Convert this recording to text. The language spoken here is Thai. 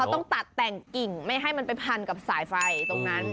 ต้องตัดแต่งกิ่งไม่ให้มันไปพันกับสายไฟตรงนั้น